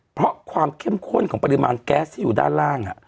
เพราะความเข้มข้นของปริมาณแก๊สที่อยู่ด้านล่าง